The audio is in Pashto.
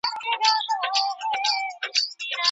که کانالیزاسیون سم کار وکړي، نو سرکونو ته اوبه نه راځي.